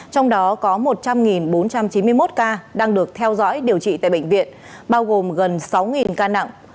trong đó có một trăm linh bốn trăm chín mươi một ca đang được theo dõi điều trị tại bệnh viện bao gồm gần sáu ca nặng